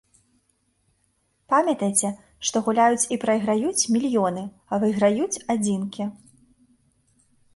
Памятайце, што гуляюць і прайграюць мільёны, а выйграюць адзінкі.